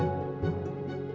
bukan tante rantian asli